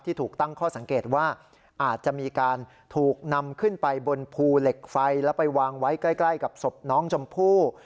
ถูกตั้งข้อสังเกตว่าอาจจะมีการถูกนำขึ้นไปบนภูเหล็กไฟแล้วไปวางไว้ใกล้กับศพน้องชมพู่